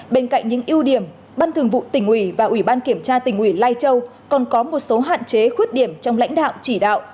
bên cạnh những ưu điểm ban thường vụ tình ủy và ubnd tình ủy lai châu còn có một số hạn chế khuyết điểm trong lãnh đạo chỉ đạo